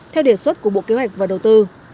theo đề xuất của bộ kế hoạch và đầu tư